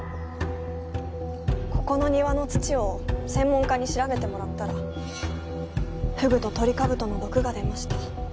ここの庭の土を専門家に調べてもらったらフグとトリカブトの毒が出ました。